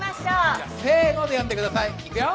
じゃあ「せの」で呼んでくださいいくよ！